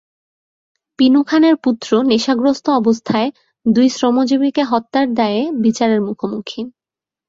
পিনু খানের পুত্র নেশাগ্রস্ত অবস্থায় দুই শ্রমজীবীকে হত্যার দায়ে বিচারের মুখোমুখি।